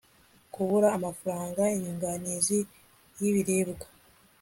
kubura amafaranga inyunganizi y'ibiribwa